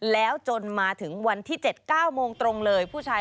แล้วจนมาถึงวันเจ็ดเก้าโมงตรงเลย